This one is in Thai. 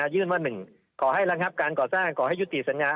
ยื่นว่า๑ขอให้ระงับการก่อสร้างขอให้ยุติสัญญา